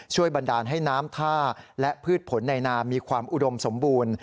บันดาลให้น้ำท่าและพืชผลในนามีความอุดมสมบูรณ์